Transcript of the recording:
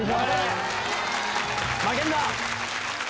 負けんな！